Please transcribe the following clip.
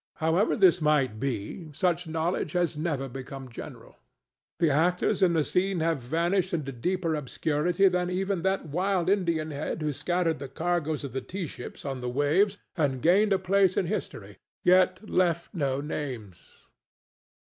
However this might be, such knowledge has never become general. The actors in the scene have vanished into deeper obscurity than even that wild Indian hand who scattered the cargoes of the tea ships on the waves and gained a place in history, yet left no names.